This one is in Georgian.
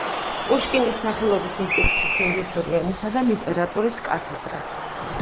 პუშკინის სახელობის ინსტიტუტის ინგლისური ენისა და ლიტერატურის კათედრას.